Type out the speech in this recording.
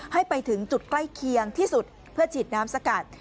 ให้ไปถึงจุดใกล้เคียงที่สุดเพื่อฉีดน้ำสกัด